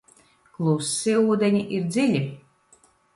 Klusi ūdeņi ir dziļi.